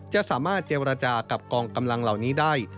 จะสามารถเจรจากับกองกำลังเหล่านี้ได้